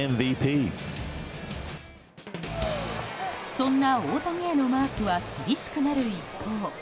そんな大谷へのマークは厳しくなる一方。